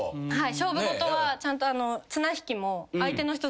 勝負事はちゃんと。